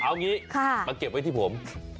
เอางี้มาเก็บไว้ที่ผม